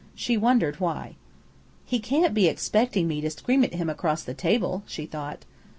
She wondered why. "He can't be expecting me to scream at him across the table," she thought.